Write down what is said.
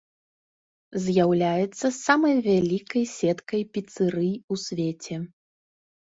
З'яўляецца самай вялікай сеткай піцэрый у свеце.